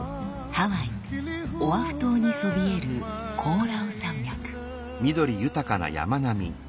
ハワイオアフ島にそびえるコオラウ山脈。